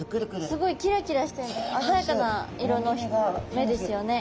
すごいキラキラしてあざやかな色の目ですよね。